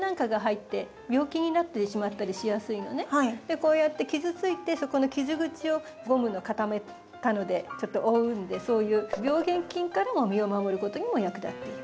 こうやって傷ついてそこの傷口をゴムの固めたのでちょっと覆うのでそういう病原菌からも身を守ることにも役立っている。